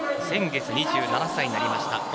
先月２７歳になりました。